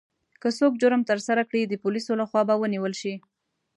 که څوک جرم ترسره کړي، د پولیسو لخوا به ونیول شي.